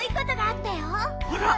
あら。